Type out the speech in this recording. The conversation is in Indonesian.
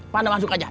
pada masuk aja